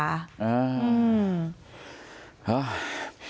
อ้าวอ้าว